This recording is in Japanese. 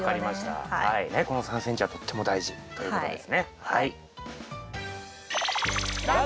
この３ｃｍはとっても大事ということですねはい。